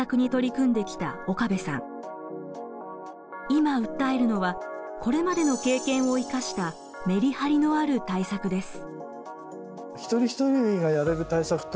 今訴えるのはこれまでの経験を生かしたメリハリのある対策です。